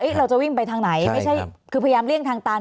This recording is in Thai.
ก็ใช้ที่ที่ซ่อนตัว